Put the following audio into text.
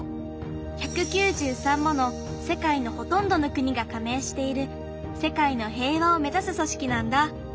１９３もの世界のほとんどの国がかめいしている世界の平和を目指すそしきなんだ。